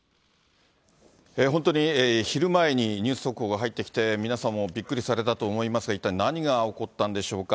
本当に昼前にニュース速報が入ってきて、皆さんもびっくりされたと思いますが、一体、何が起こったんでしょうか。